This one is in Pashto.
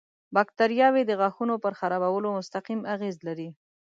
باکتریاوې د غاښونو پر خرابوالي مستقیم اغېز لري.